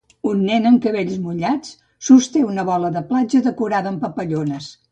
Un nen amb els cabells mullats sosté una bola de platja decorada amb papallones.